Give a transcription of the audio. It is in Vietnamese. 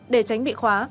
để tránh bị khóa